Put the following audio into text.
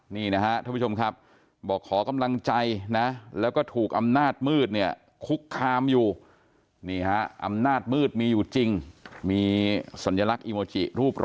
นี่นะครับท่านผู้ชมครับบอกขอกำลังใจนะแล้วก็ถูกอำนาจมืดเนี่ยคุกคามอยู่